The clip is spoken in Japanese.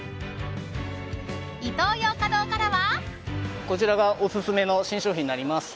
イトーヨーカドーからは。